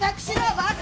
バカ！